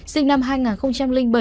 sinh năm hai nghìn bảy